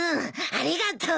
ありがとう。